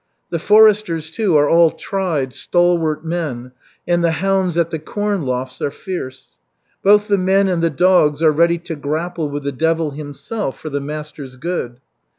The foresters, too, are all tried, stalwart men, and the hounds at the corn lofts are fierce. Both the men and the dogs are ready to grapple with the devil himself for the master's good.